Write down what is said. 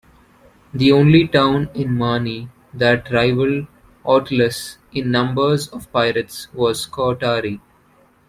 The only town in Mani that rivaled Oitylos in numbers of pirates was Skoutari.